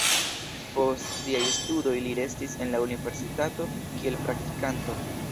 Post siaj studoj li restis en la universitato kiel praktikanto.